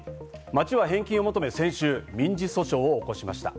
町は返金を求め、先週、民事訴訟を起こしました。